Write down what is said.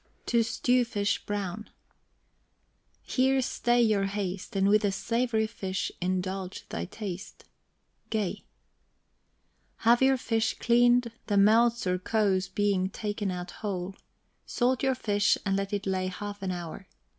TO STEW FISH BROWN. Here stay thy haste, And with the savory fish indulge thy taste. GAY. Have your fish cleaned, the melts or kows being taken out whole; salt your fish, and let it lay half an hour.